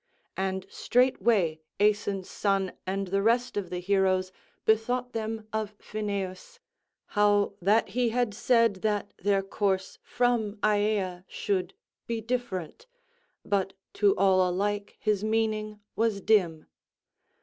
And straightway Aeson's son and the rest of the heroes bethought them of Phineus, how that he had said that their course from Aea should be different, but to all alike his meaning was dim.